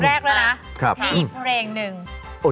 มีคนเดียว